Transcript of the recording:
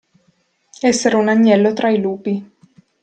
Essere un agnello tra i lupi.